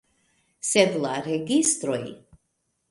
Sed la registroj!